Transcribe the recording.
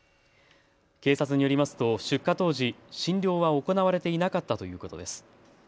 警察によりますと出火当時、診療は行われていなかったということです。